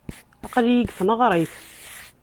Aql-iyi deg tneɣrit.